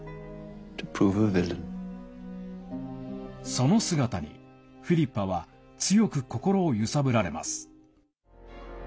その姿に、フィリッパは強く心を揺さぶられます。